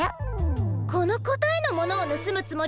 このこたえのものをぬすむつもりなんだ。